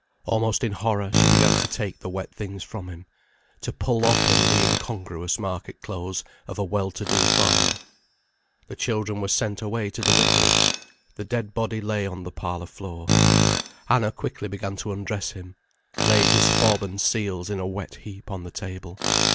Almost in horror, she began to take the wet things from him, to pull off him the incongruous market clothes of a well to do farmer. The children were sent away to the Vicarage, the dead body lay on the parlour floor, Anna quickly began to undress him, laid his fob and seals in a wet heap on the table.